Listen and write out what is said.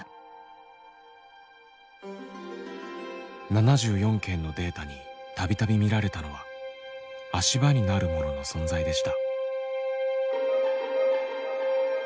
７４件のデータに度々見られたのは足場になるものの存在でした。